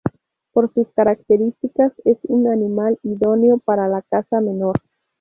Por sus características es un animal idóneo para la caza menor.